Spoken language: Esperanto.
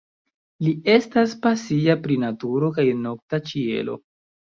Li estas pasia pri naturo kaj nokta ĉielo.